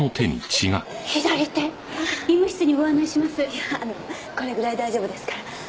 いやこれぐらい大丈夫ですから。